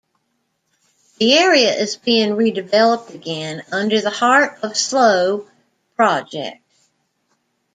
The area is being redeveloped again, under the Heart of Slough project.